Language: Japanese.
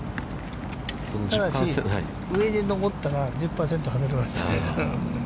ただし、上に上ったら１０％はねられます。